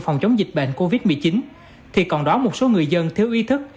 phòng chống dịch bệnh covid một mươi chín thì còn đó một số người dân thiếu ý thức